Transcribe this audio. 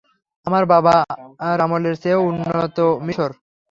আমার বাবার আমলের চেয়েও উন্নত মিশর।